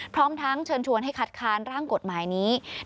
พร้อมทั้งเชิญชวนให้คัดค้านร่างกฎหมายนี้